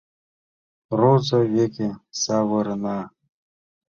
Роза веке савырна.